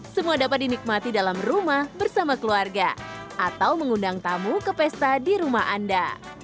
semua dapat dinikmati dalam rumah bersama keluarga atau mengundang tamu ke pesta di rumah anda